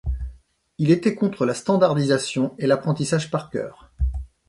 Il était contre la standardisation et l'apprentissage par cœur.